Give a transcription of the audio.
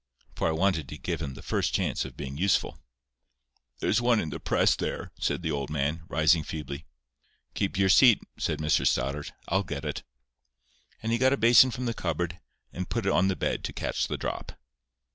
For I wanted to give him the first chance of being useful. "There's one in the press there," said the old man, rising feebly. "Keep your seat," said Mr Stoddart. "I'll get it." And he got a basin from the cupboard, and put it on the bed to catch the drop.